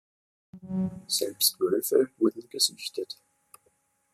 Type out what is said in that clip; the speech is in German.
Selbst Wölfe wurden gesichtet.